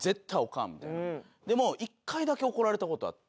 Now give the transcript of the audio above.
でも１回だけ怒られた事あって。